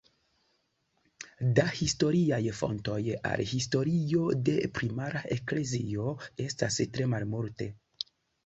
Da historiaj fontoj al historio de primara eklezio estas tre malmulte.